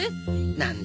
なんだ？